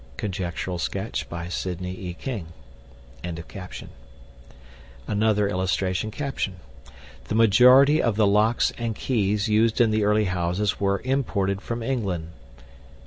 (Conjectural sketch by Sidney E. King.)] [Illustration: THE MAJORITY OF THE LOCKS AND KEYS USED IN THE EARLY HOUSES WERE IMPORTED FROM ENGLAND.